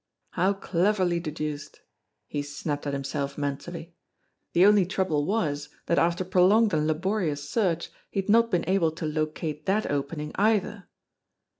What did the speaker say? How cleverly deduced! He snapped at himself mentally. The only trouble was that after prolonged and laborious search he had not been able to locate that opening either